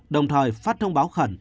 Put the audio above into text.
đồng thời phát thông báo khẩn